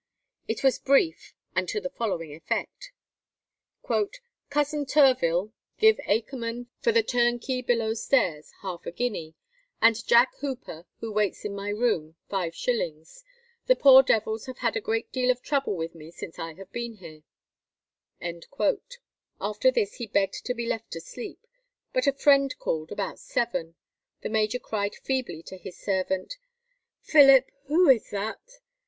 It was brief, and to the following effect: "Cousin Turvill, give Mr. Akerman, for the turnkey below stairs, half a guinea, and Jack Hooper, who waits in my room, five shillings. The poor devils have had a great deal of trouble with me since I have been here." After this he begged to be left to sleep; but a friend called about seven: the major cried feebly to his servant, "Philip, who is that?"